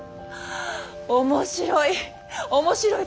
面白い！